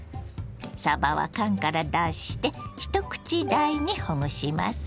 さばは缶から出して１口大にほぐします。